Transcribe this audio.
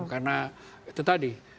karena itu tadi